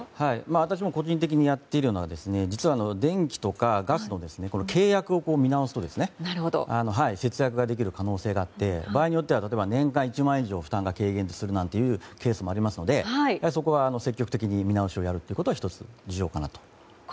私も個人的にやっているのが電気とかガスの契約を見直すと節約ができる可能性があって場合によっては年間１万円以上、負担が軽減するというケースもありますのでそこは積極的に見直すことは１つ重要かと思います。